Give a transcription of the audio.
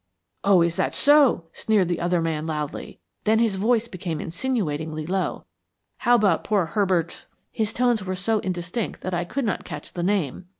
"'Oh, is that so!' sneered the other man loudly. Then his voice became insinuatingly low. 'How about poor Herbert ' His tones were so indistinct that I could not catch the name.